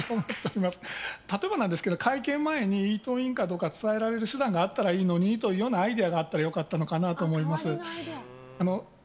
例えばなんですが会計前にイートインかどうか伝えらえる手段があったらいいのにというアイデアがあったらいいと思いました。